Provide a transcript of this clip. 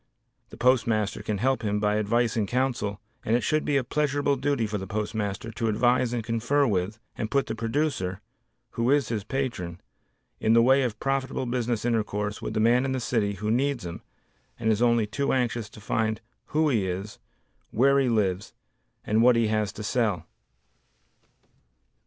The postmaster can help him by advice and counsel and it should be a pleasurable duty for the postmaster to advise and confer with, and put the producer (who is his patron), in the way of profitable business intercourse with the man in the city who needs him and is only too anxious to find who he is, where he lives, and what he has to sell.